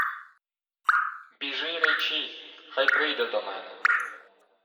— Біжи й речи, хай прийде до мене.